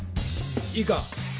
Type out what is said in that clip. ⁉いいか。